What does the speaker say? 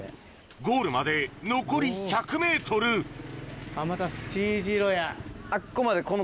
ゴールまで残り１００ｍまたＴ字路や。